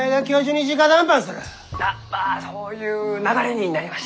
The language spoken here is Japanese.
あまあそういう流れになりまして。